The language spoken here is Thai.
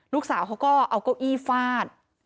ลูกสาวเขาก็เอาเก้าอี้ฟาด